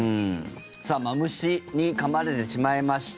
さあ、マムシにかまれてしまいました。